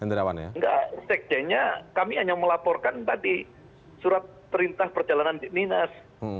enggak sekjennya kami hanya melaporkan tadi surat perintah perjalanan di dinas